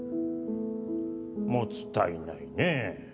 もつたいないねえ。